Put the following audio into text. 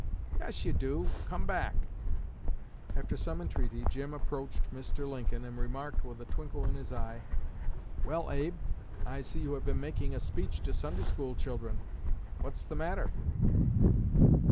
'Yes, you do; come back.' After some entreaty 'Jim' approached Mr. Lincoln, and remarked, with a twinkle in his eye, 'Well, Abe, I see you have been making a speech to Sunday School children. What's the matter?'